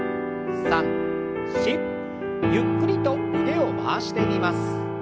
ゆっくりと腕を回してみます。